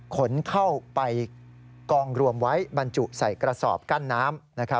ขนเข้าไปกองรวมไว้บรรจุใส่กระสอบกั้นน้ำ